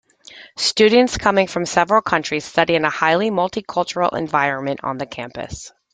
Students coming from several countries study in a highly multi-cultural environment on the campus.